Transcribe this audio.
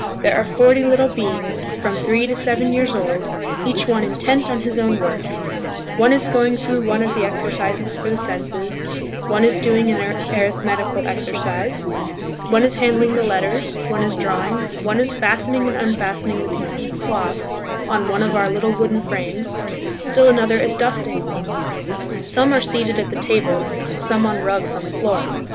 There are forty little beings–from three to seven years old, each one intent on his own work; one is going through one of the exercises for the senses, one is doing an arithmetical exercise; one is handling the letters, one is drawing, one is fastening and unfastening the pieces of cloth on one of our little wooden frames, still another is dusting. Some are seated at the tables, some on rugs on the floor.